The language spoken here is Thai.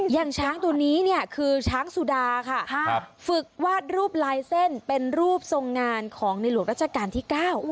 อย่างช้างตัวนี้เนี่ยคือช้างสุดาค่ะฝึกวาดรูปลายเส้นเป็นรูปทรงงานของในหลวงรัชกาลที่๙